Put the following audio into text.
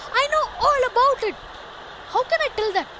"I know all about it!" "How can I tell that?"